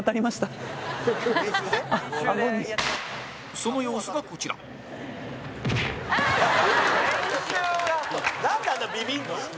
その様子が、こちらなんで、あんなビビるのよ。